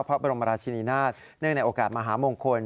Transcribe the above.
พระบรมราชินีนาฏเนื่องในโอกาสมหามงคล